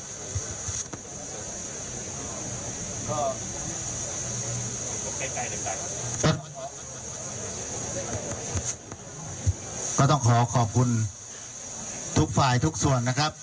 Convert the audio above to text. ด้วยใกล้ใกล้กันก็ต้องขอขอบคุณทุกฝ่ายทุกส่วนนะครับ